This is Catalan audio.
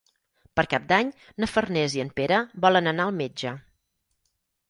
Per Cap d'Any na Farners i en Pere volen anar al metge.